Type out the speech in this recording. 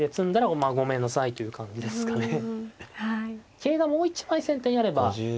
桂がもう一枚先手にあれば。